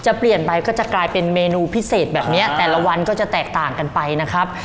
เปลี่ยนไปก็จะกลายเป็นเมนูพิเศษแบบนี้แต่ละวันก็จะแตกต่างกันไปนะครับ